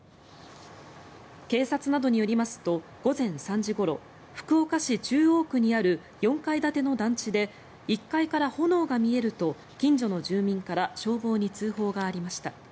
警察などによりますと午前３時ごろ福岡市中央区にある４階建ての団地で１階から炎が見えると近所の住民から消防に通報がありました。